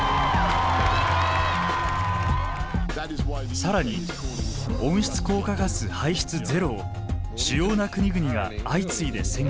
更に温室効果ガス排出ゼロを主要な国々が相次いで宣言しました。